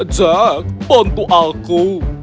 jack bantu aku